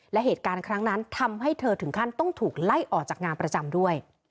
และเหตุการณ์ครั้งนั้นทำให้เธอถึงขั้นต้องถูกไล่ออกจากงานประจำด้วย